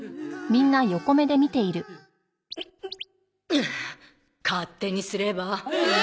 ハア勝手にすれば。